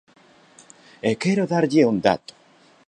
E quero darlle un dato.